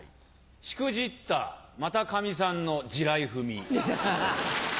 しくじったまたかみさんの地雷踏み。